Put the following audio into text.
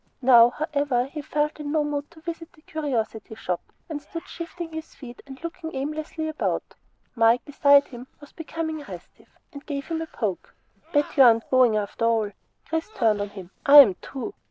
Now, however, he felt in no mood to visit the curiosity shop and stood shifting his feet and looking aimlessly about. Mike, beside him, was becoming restive, and gave him a poke. "Betcha aren't goin' after all!" Chris turned on him. "Am too!"